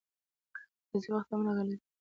داسې وخت هم راغلی دی.